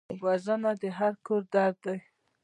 وژنه د هر کور درد دی